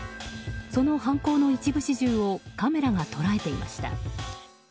その犯行の一部始終をカメラが捉えていました。